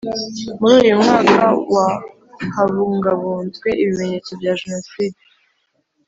Muri uyu mwaka wa habungabunzwe ibimenyetso bya Jenoside